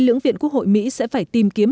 lưỡng viện quốc hội mỹ sẽ phải tìm kiếm